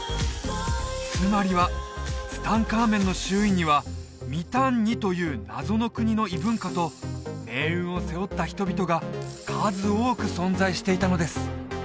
つまりはツタンカーメンの周囲にはミタンニという謎の国の異文化と命運を背負った人々が数多く存在していたのです